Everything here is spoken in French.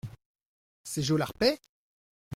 C’est Jolarpet ?